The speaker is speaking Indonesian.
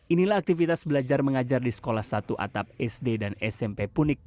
inilah aktivitas belajar mengajar di sekolah satu atap sd dan smp punik